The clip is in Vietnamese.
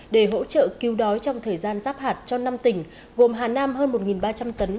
để hỗ trợ cứu đói trong thời gian giáp hạt cho năm tỉnh gồm hà nam hơn một ba trăm linh tấn